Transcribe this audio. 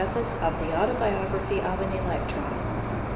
"] THE AUTOBIOGRAPHY OF AN ELECTRON.